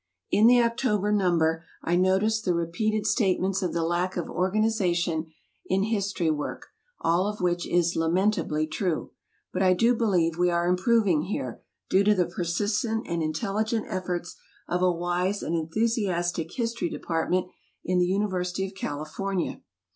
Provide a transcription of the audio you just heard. In the October number I noticed the repeated statements of the lack of organization in history work, all of which is lamentably true; but I do believe we are improving here, due to the persistent and intelligent efforts of a wise and enthusiastic History Department in the University of California.